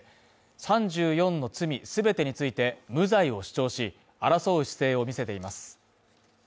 ３４の罪全てについて無罪を主張し、争う姿勢を見せています。